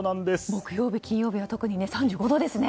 木曜日、金曜日は特に３５度ですね。